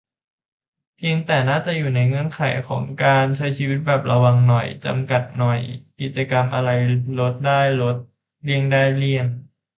เพียงแต่น่าจะอยู่ในเงื่อนไขของการใช้ชีวิตแบบระวังหน่อย จำกัดหน่อย กิจกรรมอะไรลดได้ลด เลี่ยงได้เลี่ยง